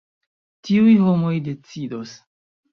Tiuj homoj decidos.